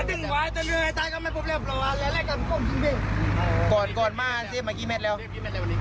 ถิ่งกบนล่าผลมาเสร็จอีกมากาลาธิบดี